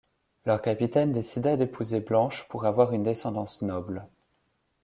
Leur capitaine décida d'épouser Blanche, pour avoir une descendance noble.